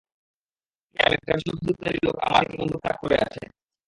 ক্যাম, একটা বিশাল বন্দুকধারী লোক আমার দিকে বন্দুক তাক করে আছে।